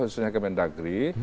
khususnya ke mendagri